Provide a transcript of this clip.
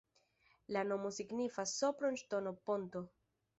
La nomo signifas: Sopron-ŝtono-ponto.